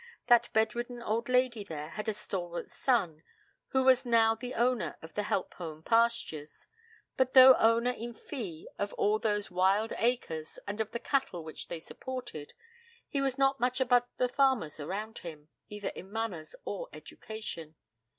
That bedridden old lady there had a stalwart son, who was now the owner of the Helpholme pastures. But though owner in fee of all those wild acres and of the cattle which they supported, he was not much above the farmers around him, either in manners or education.